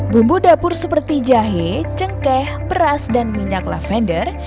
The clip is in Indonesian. bumbu dapur seperti jahe cengkeh beras dan minyak lavender